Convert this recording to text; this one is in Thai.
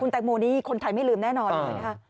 แตงโมนี่คนไทยไม่ลืมแน่นอนเลยนะคะ